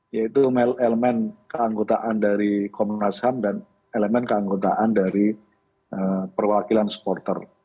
yaitu elemen keanggotaan dari komnas ham dan elemen keanggotaan dari perwakilan supporter